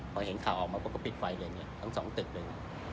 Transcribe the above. พอเห็นข่าวออกมาปุ๊บก็ปิดไฟเลยเนี่ยทั้งสองตึกเลย